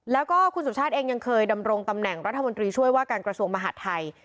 แล้วก็คุณสุชาติเองยังเคยดำรงตำแหน่งรัฐมนตรีช่วยว่าการกระทรวงมหาดไทย